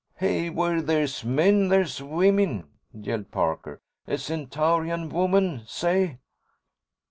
"Hey, where there's men, there's women!" yelled Parker. "A Centaurian woman! Say!"